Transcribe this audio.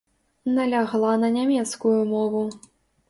Налягла на нямецкую мову.